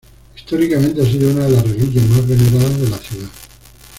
Históricamente ha sido una de las reliquias más veneradas de la ciudad.